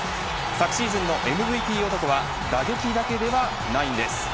昨シーズンのＭＶＰ男は打撃だけではないんです。